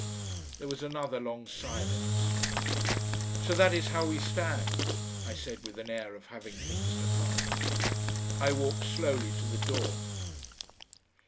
There was another long silence. "So that is how we stand," I said with an air of having things defined. I walked slowly to the door.